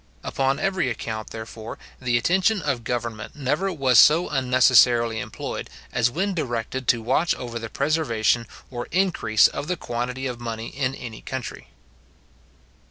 Upon every account, therefore, the attention of government never was so unnecessarily employed, as when directed to watch over the preservation or increase of the quantity of money in any country.